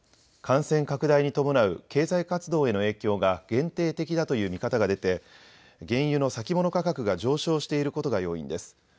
感染拡大に伴う経済活動への影響が限定的だという見方が出て、原油の先物価格が上昇していることが要因です。